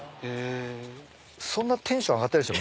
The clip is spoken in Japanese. そんなテンション上がってないでしょ。